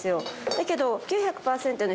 だけど。